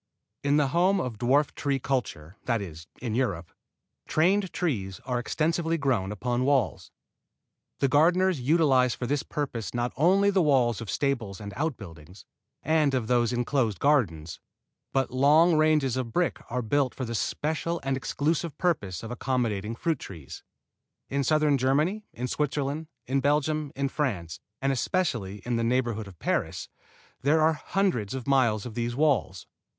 In the home of dwarf tree culture, that is, in Europe, trained trees are extensively grown upon walls. The gardeners utilize for this purpose not only the walls of stables and outbuildings, and of the enclosed gardens, but long ranges of brick are built for the special and exclusive purpose of accommodating fruit trees. In southern Germany, in Switzerland, in Belgium, in France, and especially in the neighborhood of Paris, there are hundreds of miles of these walls.